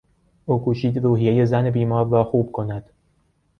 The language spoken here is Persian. او کوشید روحیهی زن بیمار را خوب کند.